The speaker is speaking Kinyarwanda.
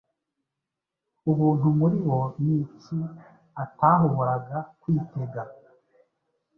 Ubuntu muri bo ni iki atahoboraga kwitega